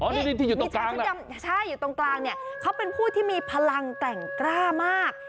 นี่ใช่อยู่ตรงกลางเนี่ยเขาเป็นผู้ที่มีพลังแกร่งกล้ามาก